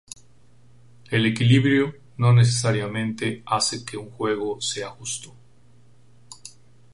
El equilibrio no necesariamente hace que un juego sea justo.